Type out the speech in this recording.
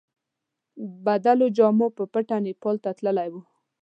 بدلو جامو په پټه نیپال ته تللی وای.